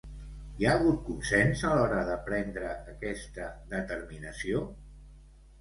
Hi ha hagut consens a l'hora de prendre aquesta determinació?